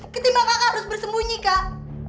ketimbang kakak harus bersembunyi kak